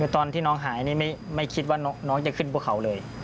ตอนที่น้องหายนี่ไม่คิดว่าน้องจะขึ้นภูเขาเลย